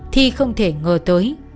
thi không thể ngờ tới